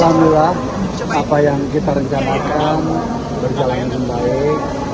alhamdulillah apa yang kita rencanakan berjalan dengan baik